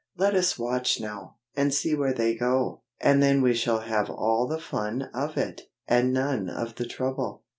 Let us watch now, and see where they go: and then we shall have all the fun of it, and none of the trouble."